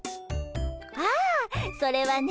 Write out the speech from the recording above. ああそれはね